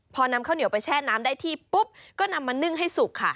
พอนำข้าวเหนียวไปแช่น้ำได้ที่ปุ๊บก็นำมานึ่งให้สุกค่ะ